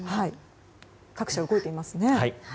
各社動いていますね。